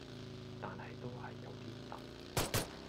但係都係有啲窒